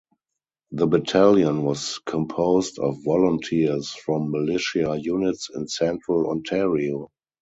The Battalion was composed of volunteers from militia units in central Ontario.